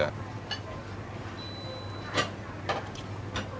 เป็นสุขภาพอย่างเดียวเลย